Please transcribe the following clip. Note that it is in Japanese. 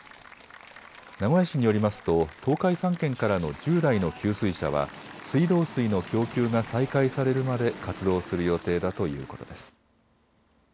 名古屋市によりますと東海３県からの１０台の給水車は水道水の供給が再開されるまで活動する予定だということです。